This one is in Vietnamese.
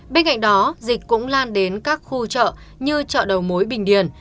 bên cạnh đó dịch cũng lan đến các khu chợ như chợ đầu mối bình điền